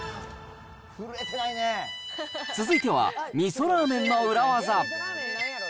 続いてはみそラーメンの裏技。